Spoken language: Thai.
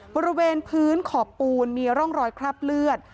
บริเวณพื้นขอบปูนมีร่องรอยคราบเลือด